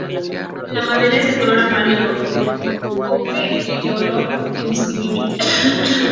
La madera es de color amarillo ocre, sin olor o indistinguible.